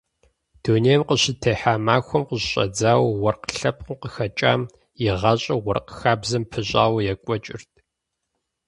Дунейм къыщытехьа махуэм къыщыщӏэдзауэ уэркъ лъэпкъым къыхэкӏам и гъащӏэр уэркъ хабзэм пыщӏауэ екӏуэкӏырт.